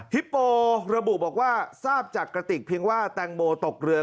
ฮิปโประบุบอกว่าทราบจากกระติกเพียงว่าแตงโมตกเรือ